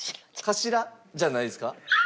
カシラじゃないですか？